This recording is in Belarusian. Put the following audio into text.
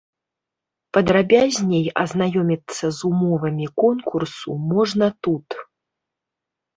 Падрабязней азнаёміцца з умовамі конкурсу можна тут.